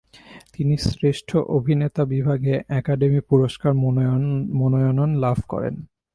তিনি শ্রেষ্ঠ অভিনেতা বিভাগে একাডেমি পুরস্কারের মনোনয়ন লাভ করেন।